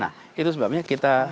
nah itu sebabnya kita